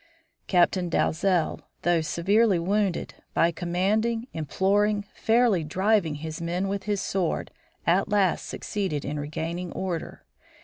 Captain Dalzel, though severely wounded, by commanding, imploring, fairly driving his men with his sword, at last succeeded in regaining order.